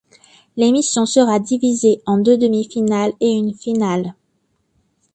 L'émission sera divisée en deux demi-finales et une finale.